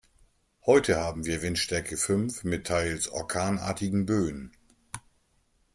Heute haben wir Windstärke fünf mit teils orkanartigen Böen.